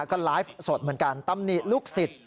ก็ไลฟ์สดเหมือนกันตำหนิลูกศิษย์